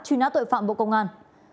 truy nã tội phạm bộ công an